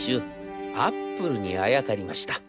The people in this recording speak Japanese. アップルにあやかりました。